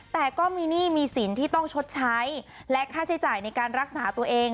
แต่ก็มีหนี้มีสินที่ต้องชดใช้และค่าใช้จ่ายในการรักษาตัวเอง